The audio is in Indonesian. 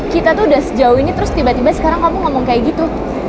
kita tuh udah sejauh ini terus tiba tiba sekarang kamu ngomong kayak gitu